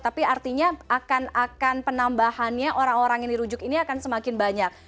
tapi artinya akan penambahannya orang orang yang dirujuk ini akan semakin banyak